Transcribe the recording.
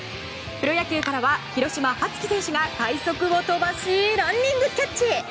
プロ野球からは広島、羽月選手が快足を飛ばしランニングキャッチ！